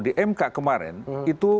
di mk kemarin itu